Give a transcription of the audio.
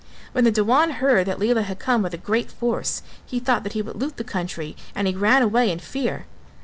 When the Dewan heard that Lela had come with a great force he thought that he would loot the country and he ran away in fear.